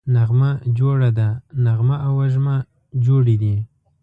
نغمه جوړه ده → نغمه او وږمه جوړې دي